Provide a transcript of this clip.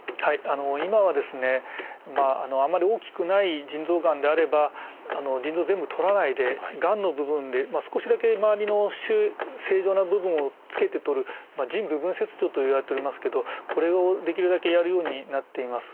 今はですねあんまり大きくない腎臓がんであれば腎臓を全部とらないでがんの部分で少しだけ周りの正常な部分をつけてとる「腎部分切除」といわれておりますけどこれをできるだけやるようになっています。